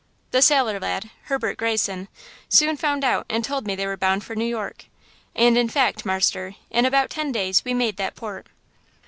The sailor lad–Herbert Greyson–soon found out and told me they were bound for New York. And, in fact, marster, in about ten days we made that port.